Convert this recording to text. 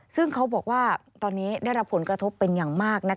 ซึ่งเขาบอกว่าตอนนี้ได้รับผลกระทบเป็นอย่างมาก